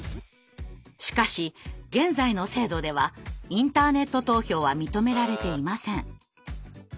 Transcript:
しかし現在の制度ではインターネット投票は認められていません。